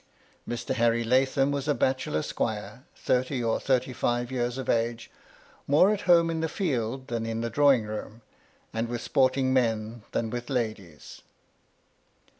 Mr. Harry Lathom was a bachelor squire, thirty or thirty five years of age, more at home in the field than in the drawing room, and with sporting men than with ladies.